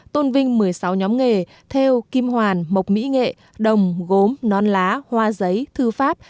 tôn vinh một mươi sáu nhóm nghề theo kim hoàn mộc mỹ nghệ đồng gốm non lá hoa giấy thư pháp